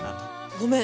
ごめん！